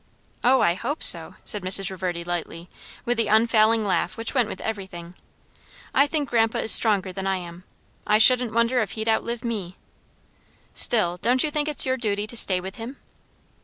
"O, I hope so!" said Mrs. Reverdy lightly, and with the unfailing laugh which went with everything; "I think grandpa is stronger than I am. I shouldn't wonder if he'd outlive me." "Still, don't you think it is your duty to stay with him?"